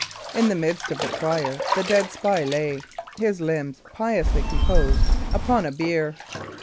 In the midst of the choir the dead spy lay, his limbs piously composed, upon a bier.